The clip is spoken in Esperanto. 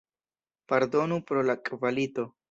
Pardonu pro la kvalito.